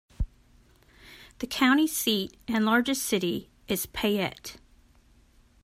The county seat and largest city is Payette.